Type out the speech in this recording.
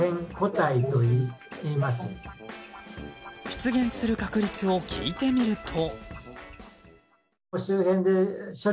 出現する確率を聞いてみると。